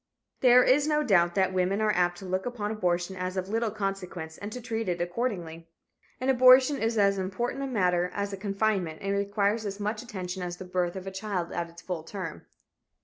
There is no doubt that women are apt to look upon abortion as of little consequence and to treat it accordingly. An abortion is as important a matter as a confinement and requires as much attention as the birth of a child at its full term.